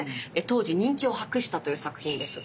当時人気を博したという作品です。